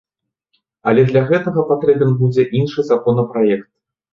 Але для гэтага патрэбен будзе іншы законапраект.